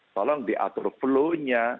tolong diatur flownya